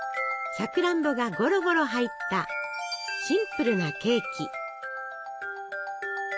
さくらんぼがゴロゴロ入ったシンプルなケーキ。